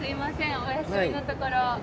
お休みのところ。